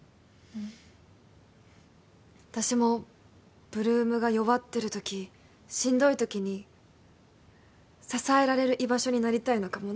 うん私も８ＬＯＯＭが弱ってる時しんどい時に支えられる居場所になりたいのかも